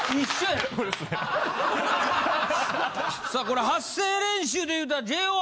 さあこれ発声練習で言うたらＪＯ１。